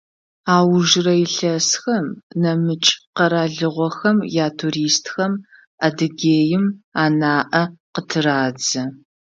Аужрэ илъэсхэм нэмыкӏ къэралыгъохэм ятуристхэм Адыгеим анаӏэ къытырадзэ.